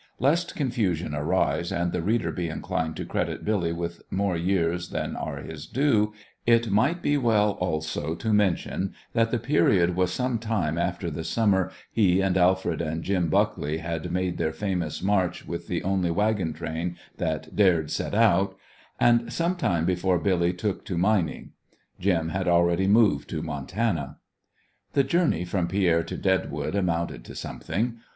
Lest confusion arise and the reader be inclined to credit Billy with more years than are his due, it might be well also to mention that the period was some time after the summer he and Alfred and Jim Buckley had made their famous march with the only wagon train that dared set out, and some time before Billy took to mining. Jim had already moved to Montana. The journey from Pierre to Deadwood amounted to something.